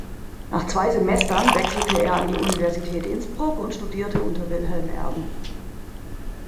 Nach zwei Semestern wechselte er an die Universität Innsbruck und studierte unter Wilhelm Erben.